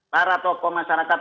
para tokoh masyarakat